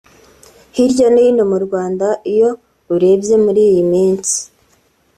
Hirya no hino mu Rwanda iyo urebye muri iyi minsi